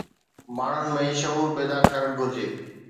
ماڻهن ۾ شعور پيدا ڪرڻ گهرجي